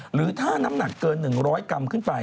หรือถ้าน้ำหนักเกิน๑๐๐กรัมขึ้นไป